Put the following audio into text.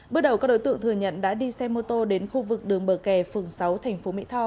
bước đầu các đối tượng thừa nhận đã đi xe mô tô đến khu vực đường bờ kè phường sáu tp mỹ tho